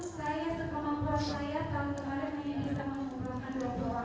saya sekempur saya tahun kemarin ini bisa mengumpulkan dua puluh orang